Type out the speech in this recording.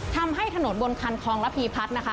ทำให้ถนนบนคันคลองระพีพัฒน์นะคะ